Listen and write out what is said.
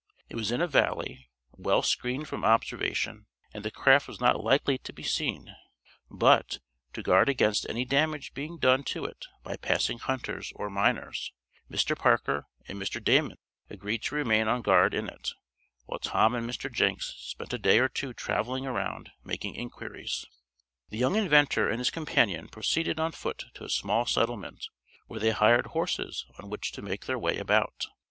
It was in a valley, well screened from observation, and the craft was not likely to be seen, but, to guard against any damage being done to it by passing hunters or miners, Mr. Parker and Mr. Damon agreed to remain on guard in it, while Tom and Mr. Jenks spent a day or two traveling around, making inquiries. The young inventor and his companion proceeded on foot to a small settlement, where they hired horses on which to make their way about.